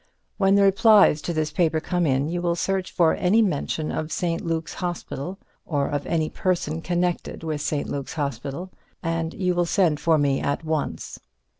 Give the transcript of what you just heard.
When the replies to this paper come in, you will search for any mention of St. Luke's Hospital, or of any person connected with St. Luke's Hospital, and you will send for me at once.